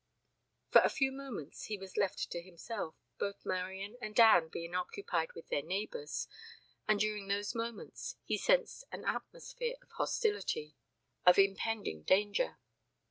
For a few moments he was left to himself, both Marian and Anne being occupied with their neighbors, and during those moments he sensed an atmosphere of hostility, of impending danger.